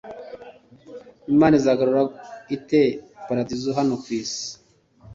Imana izagarura ite paradizo hano ku isi?